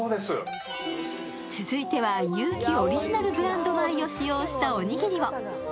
続いては有機オリジナルブランド米を使用したおにぎりを。